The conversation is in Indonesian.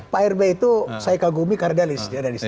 pak arb itu saya kagumi kardialis